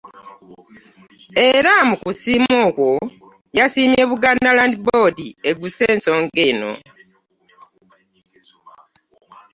Era mu kusiima okwo yasiimye Buganda Land Board egguse ensonga eno.